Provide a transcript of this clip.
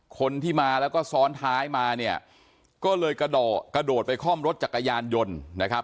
คนที่มาแล้วก็ซ้อนท้ายมาเนี่ยก็เลยกระโดดกระโดดไปคล่อมรถจักรยานยนต์นะครับ